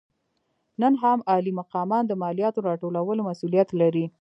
نن هم عالي مقامان د مالیاتو راټولولو مسوولیت لري.